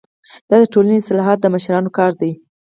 د ټولني اصلاحات د مشرانو کار دی.